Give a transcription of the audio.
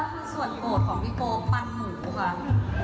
คือส่วนโหดของพี่โป๊บปันหมูกัน